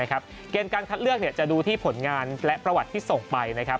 เกมการคัดเลือกจะดูที่ผลงานและประวัติที่ส่งไปนะครับ